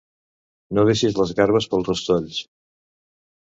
No deixis les garbes pels rostolls.